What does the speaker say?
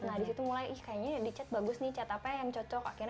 nah di situ mulai kayaknya dicet bagus nih cat apa yang cocok